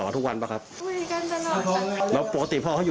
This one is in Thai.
อยู่ทั้งเซลียม